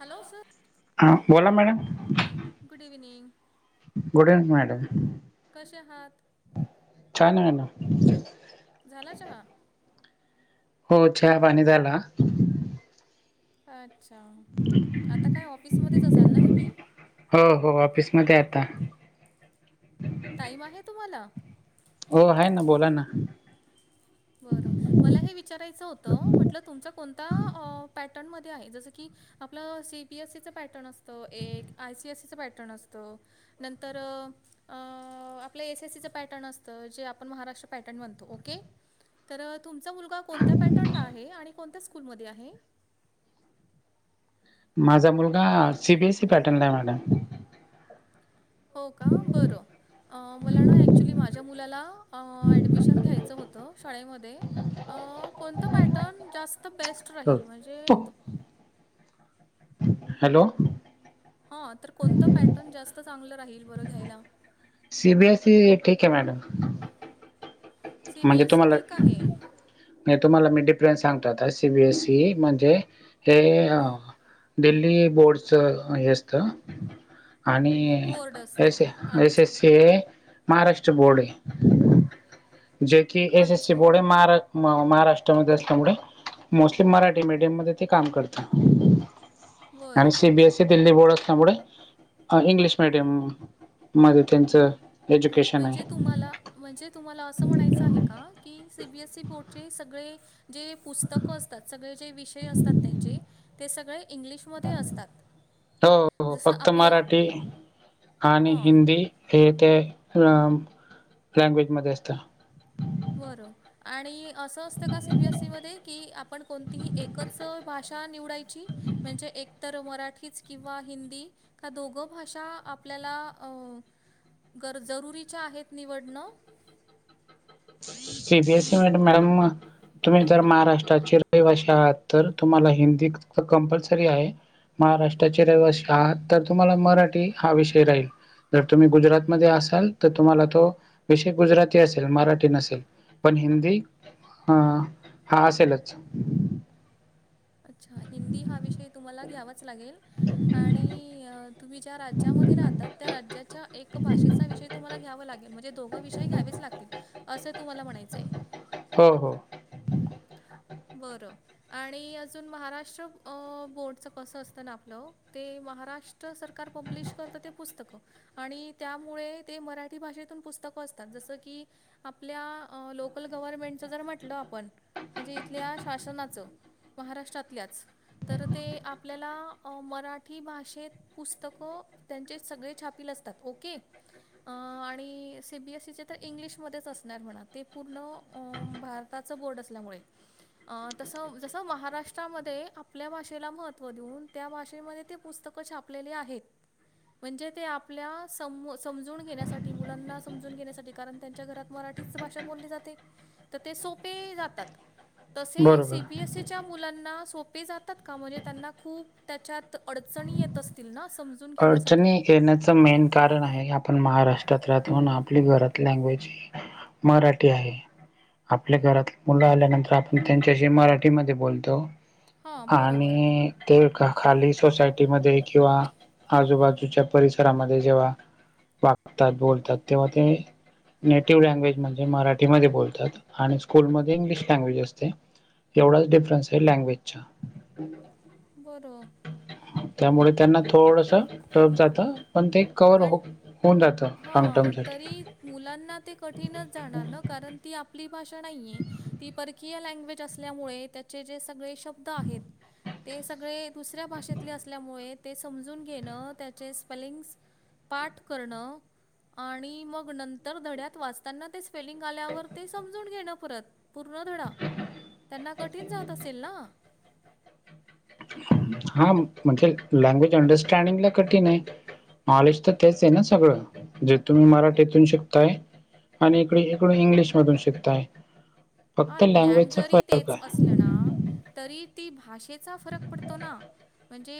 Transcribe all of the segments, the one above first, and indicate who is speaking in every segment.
Speaker 1: Hello sir!
Speaker 2: हा बोला madam.
Speaker 1: [unintelligible]
Speaker 2: Good evening madam.
Speaker 1: कशे आहात?
Speaker 2: छान आहे ना.
Speaker 1: झाला चहा?
Speaker 2: हो चहा पाणी झाला.
Speaker 1: अच्छा! आता काय ऑफिसमध्येच असाल ना तुम्ही?
Speaker 2: हो हो ऑफिसमध्ये आता.
Speaker 1: टाईम आहे तुम्हाला?
Speaker 2: हो आहे ना बोला ना.
Speaker 1: बरं मला हे विचारायचं होतं म्हटलं तुमचा कोणता अ पॅटर्नमध्ये आहे जसं की आपलं सी बी ए सी चा पॅटर्न असतो एक आय सी एस सी चा पॅटर्न असतो नंतर अ आपलं एस एस सी चा पॅटर्न असतं जे आपण महाराष्ट्र पॅटर्न म्हणतो ओके. तर तुमचा मुलगा कोणत्या पॅटर्नला आहे आणि कोणत्या स्कूलमध्ये आहे?
Speaker 2: माझा मुलगा सी बी एस सी पॅटर्नला आहे मॅडम.
Speaker 1: हो का बरं अ मला ना ॲक्च्युली माझ्या मुलाला अ ॲडमिशन घ्यायचं हो त शाळेमध्ये अ कोणता पॅटर्न जास्त बेस्ट
Speaker 2: त
Speaker 1: राहील? म्हणजे
Speaker 2: पक
Speaker 1: तो
Speaker 2: हॅलो
Speaker 1: हा तर कोणतं पॅटर्न जास्त चांगलं राहील बरं घ्यायला?
Speaker 2: सी बी एस सी ठीक आहे मॅडम. म्हणजे
Speaker 1: सी-बी-एस-ई
Speaker 2: तुम्हाला
Speaker 1: ठीक आहे.
Speaker 2: मी तुम्हाला मी डिफरन्स सांगतो आता सी बी एसी म्हणजे हे अ
Speaker 1: हां,
Speaker 2: दिल्ली बोर्डचं हे असत आणि नी
Speaker 1: बोर्ड
Speaker 2: एक एस
Speaker 1: असतं.
Speaker 2: आय सी
Speaker 1: अच्छा,
Speaker 2: एस सी हे महाराष्ट्र बोर्ड हे. जे की एस एस सी
Speaker 1: अच्छा.
Speaker 2: बोर्ड मारा म-महाराष्ट्रामध्ये असल्यामुळे मोस्टली मराठी मीडियममध्ये ते काम करत. आणि
Speaker 1: बरं.
Speaker 2: सीबीएस ते दिल्ली बोर्ड असल्यामुळे हा इंग्लिश मिडियम मध्ये त्यांचं एज्युकेशन आहे
Speaker 1: म्हणजे तुम्हाला म्हणजे तुम्हाला असं म्हणायचं आहे का की सी बी एस सी बोर्डचे सगळे जे पुस्तकं असतात, सगळे जे विषय असतात त्यांचे ते सगळे इंग्लिश
Speaker 2: हो, हो फक्त
Speaker 1: आपलं
Speaker 2: मराठी आणि
Speaker 1: हां
Speaker 2: हिंदी हे ते अं लँग्वेजमध्ये असतं.
Speaker 1: बरं. आणि असं असतं का सीबीएसीमध्ये, की आपण कोणतीही एकच भाषा निवडायची? म्हणजे एक तर मराठीच किंवा हिंदी. का दोघं भाषा आपल्याला अ गर जरुरीच्या आहेत निवडणं?
Speaker 2: सीबीएससीमध्ये मॅडम तुम्ही जर महाराष्ट्राचे रहिवासी आहात, तर तुम्हाला हिंदीचं कंपल्सरी आहे. महाराष्ट्राचे रहिवासी आहात, तर तुम्हाला मराठी हा विषय राहील. जर तुम्ही गुजरातमध्ये असाल, तर तुम्हाला तो विषय गुजराती असेल. मराठी नसेल पण हिंदी अ हा असेलच.
Speaker 1: अच्छा हिंदी हा विषय तुम्हाला घ्यावाच लागेल. आणि अ तुम्ही ज्या राज्यामध्ये राहतात त्या राज्याच्या एक भाषेचा विषय तुम्हाला घ्यावं लागेल म्हणजे दोघं विषय घ्यावेच लागतील असे तुम्हाला म्हणायचंय.
Speaker 2: हो, हो.
Speaker 1: बरं. आणि अजून महाराष्ट्र अ बोर्डचं कसं असतं ना आपलं ते महाराष्ट तर सरकार पब्लीश करतं ते पुस्तकं. आणि त्यामुळे ते मराठी भाषेतून पुस्तकं असतात. जसं की आपल्या अ लोकल गव्हर्मेंटचं जर म्हटलं आपण म्हणजे इथल्या शासनाचं महाराष्ट्रातल्याच तर ते आपल्याला अ मराठी भाषेत पुस्तकं त्यांचे सगळे छापीलं असतात ओके. अ आणि सीबीएससीचे ते इंग्लिशमध्येच असणार म्हणा. ते पूर्ण अ भार ताचं बोर्ड असल्यामुळे अ तसं जसं महाराष्ट्रामध्ये आपल्या भाषेला महत्त्व देऊन त्या भाषेमध्ये ते पुस्तकं छापलेले आहेत. म्हणजे ते आपल्या सम-समजून घेण्यासाठी मुलांना समजून घेण्यासाठी, कारण त्यांच्या घरात मराठीच भाषा बोलली जाते, तर ते सोपे जातात. तसे
Speaker 2: बरोबर.
Speaker 1: सीबीएसी च्या मुलांना सोपे जातात का म्हणजे त्यांना खूप त्याच्यात अडचणी येत अस तील ना समजून
Speaker 2: अडचणी
Speaker 1: घेण्यासाठी
Speaker 2: येण्याचं मेन कारण आहे आपण महाराष्ट्रात राहतो आणि आपली घरा लँग्वेज मराठी आहे. आपले घरातली मुलं आल्यानंतर आपण त्यांच्याशी मराठीमध्ये बोलतो.
Speaker 1: हां बरोबर
Speaker 2: आणि ते खा-खाली सोसायटीमध्ये किंवा आजूबाजूच्या परिसरामध्ये जेव्हा वागतात, बोलतात तेव्हा ते नेटिव्ह लँग्वेज म्हणजे मराठीमध्ये बोलतात आणि स्कूलमध्ये इंग्लिश लँग्वेज असते. एवढाच डिफरन्स आहे लँग्वेज अच्छा
Speaker 1: बरं
Speaker 2: त्यामुळे त्यांना थोडंसं टफ जात, पण ते कवर
Speaker 1: पण
Speaker 2: हो-होऊन जात लाॅग
Speaker 1: हां,
Speaker 2: टर्मसाठी.
Speaker 1: तरी मुलांना ते कठीणच जाणार ना, कारण ती आपली भाषा नाही. ती परकीय लँग्वेज असल्यामुळे त्याचे जे सगळे शब्द आहेत ते सगळे दुसऱ्या भाषेतले असल्यामुळे ते समजून घेणं, त्याचे स्पेलिंग्स पाठ करणं आणि मग नंतर धड्यात वाचताना तेच पेलिंग आल्यावर ते समजून घेणं परत पूर्ण धडा त्यांना कठीण जात असेल ना.
Speaker 2: हा म-म्हणजे लँग्वेज अंडरस्टँडिंगला कठीण आहे. नाॅलेज तर तेच आहे ना सगळं, जे तुम्ही मराठीतून शिकताय आणि इकडे इकड इंग्लिश मधून शिकताय.
Speaker 1: हा,
Speaker 2: फक्त
Speaker 1: ज्ञान
Speaker 2: लँग्वेजचा
Speaker 1: जरी
Speaker 2: फरक
Speaker 1: तेच
Speaker 2: आहे
Speaker 1: असलं ना. तरी ती भाषेचा फरक पडतो ना. म्हणजे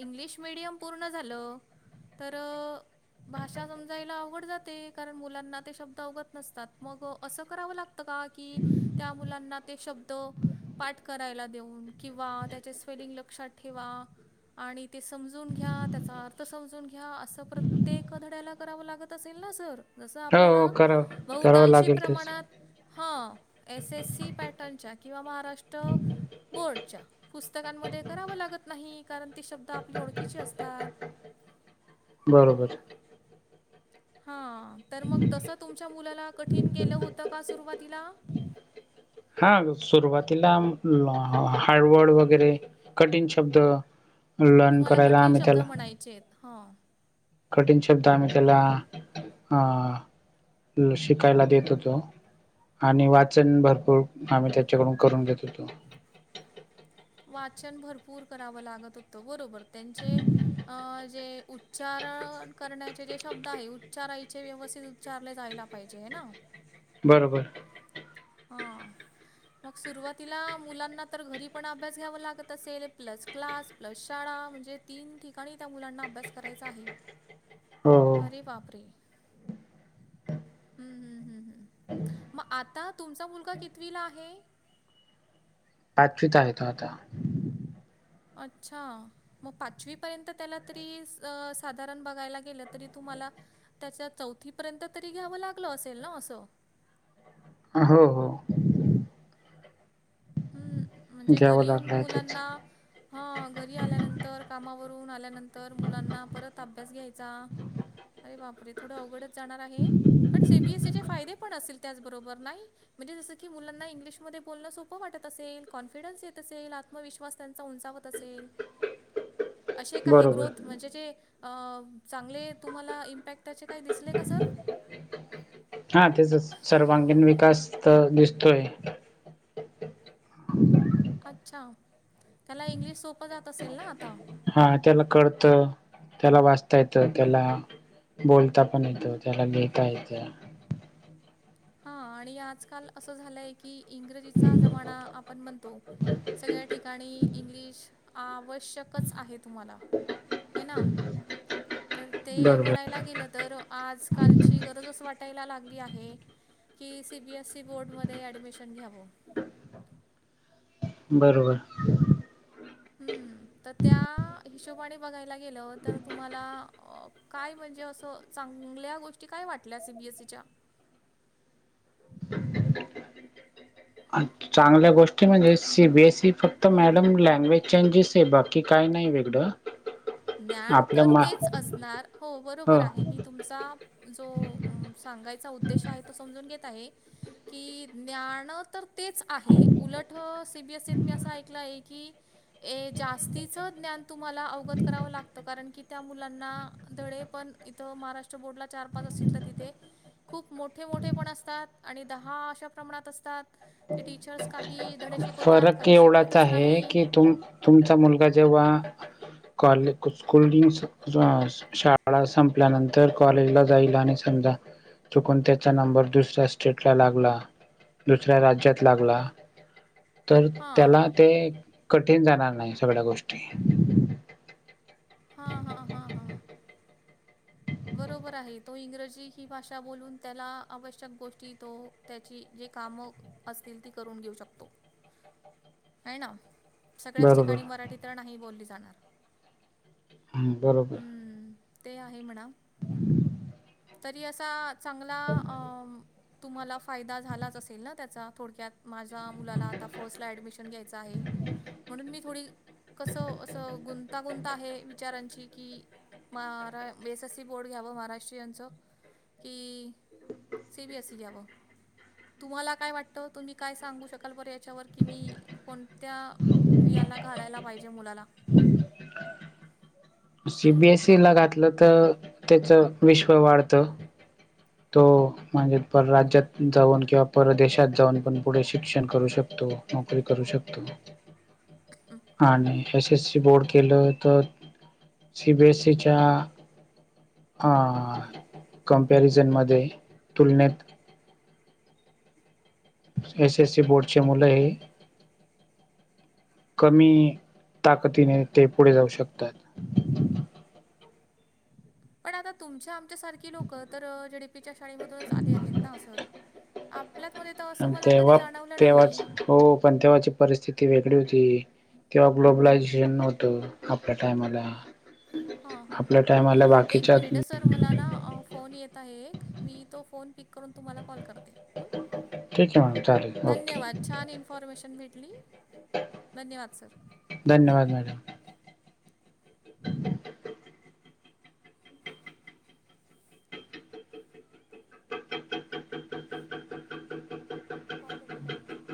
Speaker 1: इंग्लिश मिडियम पूर्ण झालं‌ तर. भाषा समजायला अवघड जाते. कारण मुलांना ते, शब्द अवगत नसतात. मग असं करावं लागतं का. कि त्या मुलांना ते शब्द पाठ करायला देऊन. किंवा त्याचे स्पेलिंग लक्षात ठेवा. आणि ते समजून घ्या त्याचा अर्थ समजून घ्या असं प्रत्येक धड्याला. कराव लागत असेल ना सर, जसं
Speaker 2: हो हो
Speaker 1: आपल्याला
Speaker 2: करावं करावं
Speaker 1: बहुतांशी
Speaker 2: लागेल तेच
Speaker 1: प्रमाणात. हा, एस एस सी पॅटर्नच्या किंवा महाराष्ट्र. बोर्डच्या, पुस्तकांमध्ये कराव लागत नाही. कारण ती शब्द आपली ओळखीचे असतात.
Speaker 2: बरोबर.
Speaker 1: हां, तर मग तसं तुमच्या मुलाला कठीण गेलं होतं, का सुरुवातीला.
Speaker 2: हा सुरुवातीला हाडवर्ल्ड वगैरे. कठीण शब्द, लन करायला आम्ही त्याला.
Speaker 1: हा.
Speaker 2: कठीण शब्द आम्ही त्याला, अ- शिकायला देत होतो. आणि वाचन भरपूर आम्ही, त्यांच्याकडून करून घेत होतो.
Speaker 1: वाचन भरपूर करावं लागत होतं. बरोबर त्यांचे, जे उच्चारण करण्याचे जे शब्द आहे, उच्चारायचे व्यवस्थित उच्चारले जायला पाहिजे हेना.
Speaker 2: बरं बरं.
Speaker 1: हा, मग सुरुवातीला मुलांना तर, घरी पण अभ्यास घ्याव लागत असेल प्लस. क्लास प्लस शाळा म्हणजे, तीन ठिकाणी त्या मुलांना अभ्यास करायचा आहे.
Speaker 2: [inaudible] हो
Speaker 1: अरे बाप रे. हम्म हम्म हम्म हम्म मग आता तुमचा मुलगा कितवीला आहे.
Speaker 2: पाचवीत आहे, तो आता.
Speaker 1: अच्छा. ‌ मग पाचवीपर्यंत त्याला तरी, साधारण बघायला गेलं तरी तुम्हाला. तस चौथीपर्यंत तरी घ्यावं, लागलं असेल ना असं.
Speaker 2: हा हो हो.
Speaker 1: हम्म, म्हणजे
Speaker 2: घ्यावं
Speaker 1: घरी
Speaker 2: लागलं
Speaker 1: येऊन
Speaker 2: आहे
Speaker 1: मुलांना.
Speaker 2: तेच
Speaker 1: हा घरी आल्यानंतर कामावरून, आल्यानंतर मुलांना परत अभ्यास घ्यायचा. अरे बापरे थोडं, अवघडच जाणार आहे. पण सेबीएससीचे फायदे पण असेल. त्याचबरोबर नाही म्हणजे, जसं की मुलांना इंग्लिशमध्ये बोलणं सोपं प वाटत असेल. कॉन्फिडन्स येत असेल, आत्मविश्वास त्यांचा उंचावत असेल. असे काही
Speaker 2: बरोबर
Speaker 1: ग्रोथ म्हणजे, जे चांगले तुम्हाला इम्पॅक्ट. त्याचे काय दिसले का सर.
Speaker 2: हा, तेचा सर्वांगीण विकास तर दिसतोय. [inaudible]
Speaker 1: अच्छा, त्याला इंग्लिश सोपं जात असेल ना आता.
Speaker 2: हा त्याला कळत त्याला वाचता येत त्याला. बोलता पण येत, त्याला लिहता येत.
Speaker 1: हा, आणि आजकाल असं झालंय की. इंग्रजीचा जमाना आपण म्हणतो, सगळ्या ठिकाणी. इंग्लिश आवश्यकच आहे तुम्हाला हे ना. तर ते
Speaker 2: बरोबर
Speaker 1: म्हणायला गेलं तर, आजकालची गरजच वाटायला लागली आहे. की, सी बी एसई बोर्डमध्ये ॲडमिशन घ्यावं.
Speaker 2: बरोबर.
Speaker 1: हम्म. तर त्या हिशोबाने बघायला गेलं, तर तुम्हाला अं काय म्हणजे असं चांगल्या गोष्टी काय वाटल्या सर बीएसीच्या?
Speaker 2: चांगल्या गोष्टी म्हणजे सीबीएसी फक्त मॅडम लँग्वेज चेंजेस आहे बाकी काय नाही वेगळं.
Speaker 1: ज्ञान
Speaker 2: आपलं
Speaker 1: तर
Speaker 2: मा
Speaker 1: तेच असणार. हो बरोबर आहे मी तुमचा जो अं सांगायचा उद्देश आहे तो समजून घेत आहे. की ज्ञान तर तेच आहे. उलट सीबीएसीत मी असं ऐकलं आहे की ए जास्तीचं ज्ञान तुम्हाला अवगत कराव लागतं, कारण की त्या मुलांना धडे पण इथं महाराष्ट्र बोर्डला चार पाच असतील तर तिथे खूप मोठे मोठे पण असतात आणि दहा अशा प्रमाणात असतात ते टीचर्स काही धडे शिकवतात
Speaker 2: फरक
Speaker 1: काही
Speaker 2: एवढाच
Speaker 1: शिकवतच
Speaker 2: आहे
Speaker 1: नाही
Speaker 2: की तुम-तुमचा मुलगा जेव्हा कॉले कु कोल्ड्रिंक्स अ शाळा संपल्यानंतर कॉलेजला जाईल आणि समजा चुकून त्याचा नंबर दुसऱ्या स्टेटला लागला, दुसऱ्या राज्यात लागला. तर
Speaker 1: हां
Speaker 2: त्याला ते कठीण जाणार नाही सगळ्या गोष्टी.
Speaker 1: हा, हा, हा, हा. बरोबर आहे. तो इंग्रजी ही भाषा बोलून त्याला आवश्यक गोष्टी तो त्याची जे कामं असतील ती करून घेऊ शकतो. हाय ना? सगळ्याच ठिकाणी
Speaker 2: बरोबर
Speaker 1: मराठी तर नाही बोलली जाणार.
Speaker 2: हम्म बरोबर.
Speaker 1: हं, ते आहे म्हणा.
Speaker 2: [inaudible]
Speaker 1: तरी असा चांगला अ तुम्हाला फायदा झालाच असेल ना त्याचा थोडक्यात माझ्या मुलाला आता फर्स्टला ॲडमिशन घ्यायचं आहे म्हणून मी थोडी कसं असं गुंतागुंता आहे विचारांची की मारा base S S C board घ्यावं महाराष्ट्रीयनचं की सी बी एस सी घ्यावं? तुम्हाला काय वाटतं, तुम्ही काय सांगू शकाल बरं याच्यावर, की मी कोणत्या याला घालायला पाहिजे मुलाला?
Speaker 2: सीबीएसीला घातलं तर त्याच विश्व वाढतं. तो म्हणजे परराज्यात जाऊन किंवा परदेशात जाऊन पण पुढे शिक्षण करू शकतो. नोकरी करू शकतो आणि एस एस सी बोर्ड केलं तर सी बी एस सी च्या आ कमपॅरिझन मध्ये तुलनेत एसएससी बोर्डची मुलं हाय. कमी ताकतीने ते पुढे जाऊ शकतात.
Speaker 1: पण आता तुमच्या आमच्यासारखी लोकं, तर झेडपीच्या शाळेमधूनच आले आहेत ना सर? आपल्यातमध्ये तर असं मला कधी
Speaker 2: तेव्हा
Speaker 1: जाणवलं
Speaker 2: तेव्हाच
Speaker 1: नाही.
Speaker 2: हो, पण तेव्हाची परिस्थिती वेगळी होती. किंवा ग्लोबलायझेशन नव्हतं आपल्या टाइमाला.
Speaker 1: हां हां
Speaker 2: आपल्या
Speaker 1: ओके
Speaker 2: टायमाल्या
Speaker 1: एक
Speaker 2: बाकीच्यात
Speaker 1: मिनिट सर मला ना अ फोन येत आहे एक. मी तो फोन पिक करून तुम्हाला कॉल करते हम्म.
Speaker 2: ठीक आहे मॅडम चालेल ओके
Speaker 1: धन्यवाद, छान इन्फॉर्मेशन भेटली. धन्यवाद सर.
Speaker 2: धन्यवाद मॅडम. [inaudible]
Speaker 1: कॉल बंद करा. [unintelligible]